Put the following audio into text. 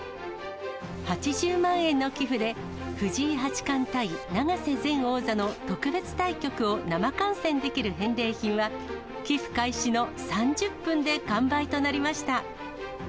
８０万円の寄付で、藤井八冠対永瀬前王座の特別対局を生観戦できる返礼品は、寄付開始の３０分で完売となりました。